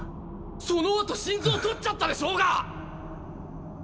そのあと心臓取っちゃったでしょうが！